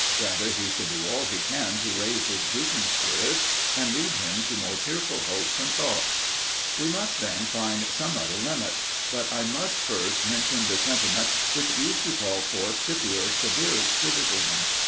Rather he should do all he can to raise his drooping spirits, and lead him to more cheerful hopes and thoughts. We must then find some other limit. But I must first mention the sentiment which used to call forth Scipio's severest criticism.